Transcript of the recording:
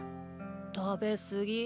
たべすぎ？